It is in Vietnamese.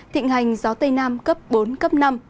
gió tây nam cấp bốn cấp năm